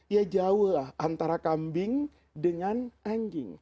ya jauh lah antara kambing dengan anjing